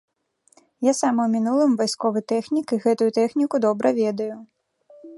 Я сам у мінулым вайсковы тэхнік і гэтую тэхніку добра ведаю.